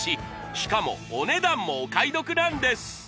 しかもお値段もお買い得なんです